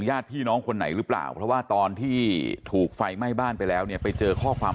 ญาติพี่น้องคนไหนหรือเปล่าเพราะว่าตอนที่ถูกไฟไหม้บ้านไปแล้วเนี่ยไปเจอข้อความ